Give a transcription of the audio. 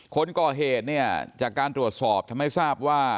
คนก่อเหตุเนี่ยจากการตรวจสอบทำให้ทราบว่า